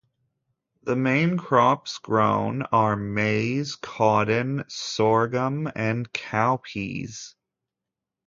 The main crops grown are maize, cotton, sorghum and cowpeas.